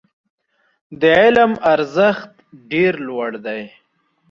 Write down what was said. د علم ارزښت ډېر لوړ دی.